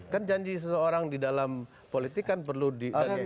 kan janji seseorang di dalam politik kan perlu di